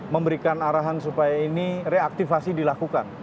memberikan arahan supaya ini reaktivasi dilakukan